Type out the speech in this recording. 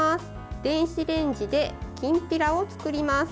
電子レンジできんぴらを作ります。